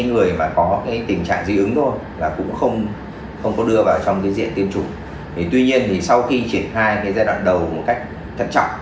giai đoạn đầu một cách thật chọc